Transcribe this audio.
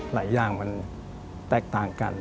หลายอย่างมันแตกต่างกัน